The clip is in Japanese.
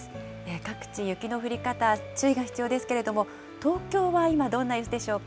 各地、雪の降り方、注意が必要ですけれども、東京は今、どんな様子でしょうか。